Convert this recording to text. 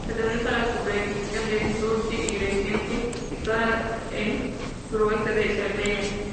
Pertenece a la subregión de Sulcis-Iglesiente, situada el suroeste de Cerdeña.